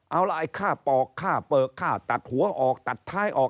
เอาละไอ้ค่าปอกค่าเปลือกค่าตัดหัวออกตัดท้ายออก